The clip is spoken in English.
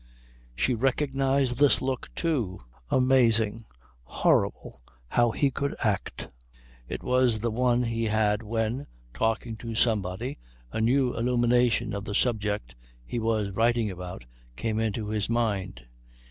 She recognized this look, too amazing, horrible, how he could act it was the one he had when, talking to somebody, a new illumination of the subject he was writing about came into his mind.